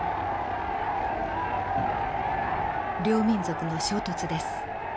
両民族の衝突です。